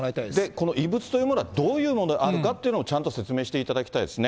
この異物というものはどういうものであるかということもしっかり説明していただきたいですね。